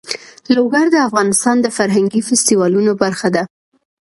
لوگر د افغانستان د فرهنګي فستیوالونو برخه ده.